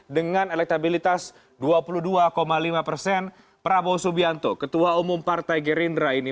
dengan elektabilitas dua puluh dua lima persen prabowo subianto ketua umum partai gerindra ini